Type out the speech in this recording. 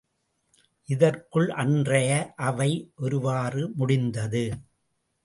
இதற்குள் அன்றைய அவை ஒருவாறு முடிந்தது.